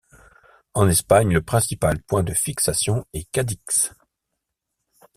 En Espagne, le principal point de fixation est Cadix.